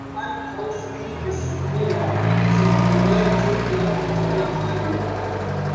La aŭtorino ankaŭ skribis pri la sendependeco de Kebekio.